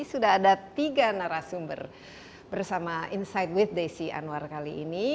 sudah ada tiga narasumber bersama insight with desi anwar kali ini